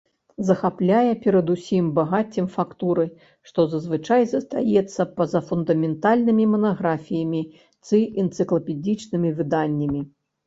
Захапляе перадусім багаццем фактуры, што зазвычай застаецца па-за фундаментальнымі манаграфіямі ці энцыклапедычнымі выданнямі.